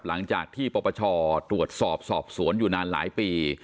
หลังจากที่ปปชตรวจสอบสอบสวนอยู่นานหลายปี